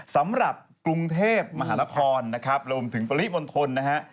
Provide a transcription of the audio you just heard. สำหรับกรุงเทพมหานครนะครับรวมถึงปริมณฑลนะฮะ